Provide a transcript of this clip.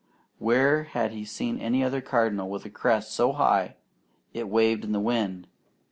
Where had he seen any other cardinal with a crest so high it waved in the wind?